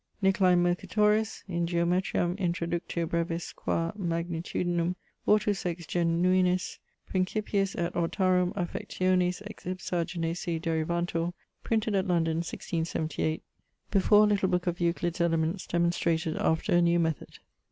Nicolai Mercatoris in Geometriam introductio brevis quâ magnitudinum ortus ex genuinis principiis et ortarum affectiones ex ipsa genesi derivantur, printed at London 1678, before a little booke of Euclid's Elements demonstrated after a new method.